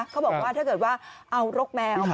เขาบอกว่าถ้าเกิดว่าเอาลกแมวเอาไว้